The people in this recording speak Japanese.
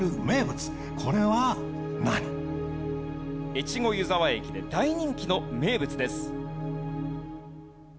越後湯沢駅で大人気の名物です。